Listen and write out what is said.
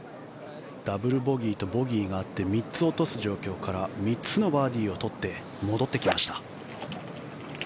ダブルボギーとボギーがあって３つ落とす状況から３つのバーディーを取って戻ってきました。